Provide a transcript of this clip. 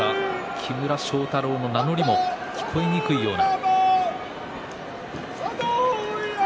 木村庄太郎の名乗りも聞こえにくいような。